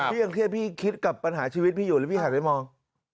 ยังเครียดพี่คิดกับปัญหาชีวิตพี่อยู่แล้วพี่หันไปมอง